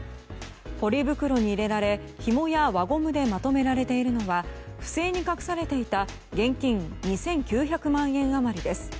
ポリ袋に入れられひもや輪ゴムでまとめられているのは不正に隠されていた現金２９００万円余りです。